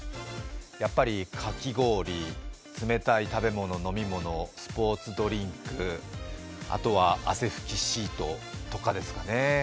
やっぱりかき氷、冷たい食べ物、飲み物、スポーツドリンク、あとは汗ふきシートとかですかね。